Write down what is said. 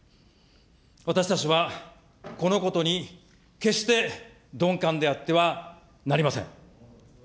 私たちはこのことに決して鈍感であってはなりません。